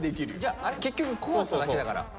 あれ結局怖さだけだから。